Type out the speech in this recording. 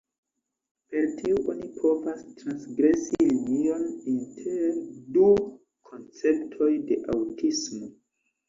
Per tiu oni povas transgresi linion inter du konceptoj de aŭtismo.